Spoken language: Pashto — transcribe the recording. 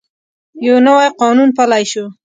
یو نوی قانون پلی شو.